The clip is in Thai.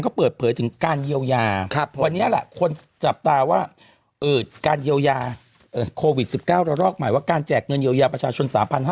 ก็เปิดเผยถึงการเยียวยาวันนี้แหละคนจับตาว่าการเยียวยาโควิด๑๙ระลอกใหม่ว่าการแจกเงินเยียวยาประชาชน๓๕๐